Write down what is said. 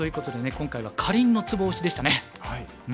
今回はかりんのツボ推しでしたね。